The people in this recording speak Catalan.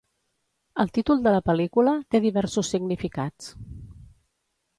El títol de la pel·lícula té diversos significats.